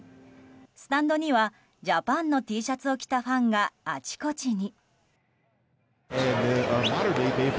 スタンドにはＪＡＰＡＮのＴシャツを着たファンがあちこちに。